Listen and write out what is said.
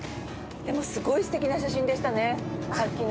でもすごい素敵な写真でしたねさっきの。